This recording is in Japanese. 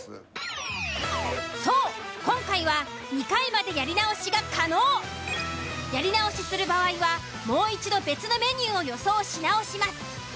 そう今回はやり直しする場合はもう一度別のメニューを予想し直します。